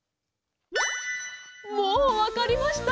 もうわかりました？